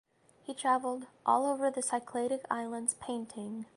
He traveled all over the Cycladic islands painting.